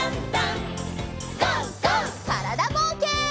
からだぼうけん。